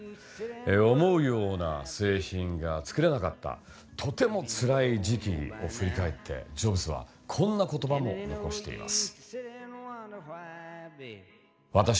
思うような製品が作れなかったとてもつらい時期を振り返ってジョブズはこんな言葉も残しています。